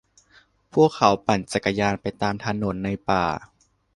พวกเขาปั่นจักรยานไปตามถนนในป่า